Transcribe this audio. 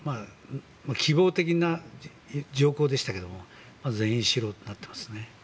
希望的な要領でしたけども全員、白になっていますね。